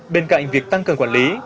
bên cạnh việc tăng cường quản lý